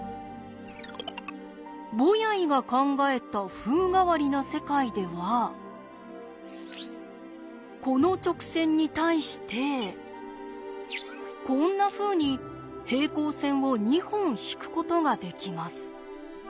ボヤイが考えた風変わりな世界ではこの直線に対してこんなふうに平行線を２本引くことができます。